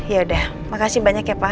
yaudah makasih banyak ya pak